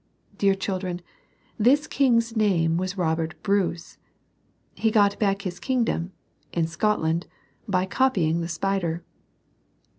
Dear children, this king's name was Robert Bruce. He got back his kingdom, in Scotland, by copying the spider.